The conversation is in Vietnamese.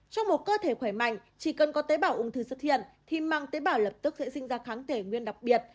trong một cơ thể khỏe mạnh chỉ cần có tế bào ung thư xuất hiện thì măng tế bào lập tức sẽ sinh ra kháng thể nguyên đặc biệt